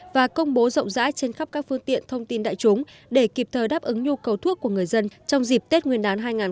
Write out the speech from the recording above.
và công bố rộng rãi trên khắp các phương tiện thông tin đại chúng để kịp thời đáp ứng nhu cầu thuốc của người dân trong dịp tết nguyên đán hai nghìn hai mươi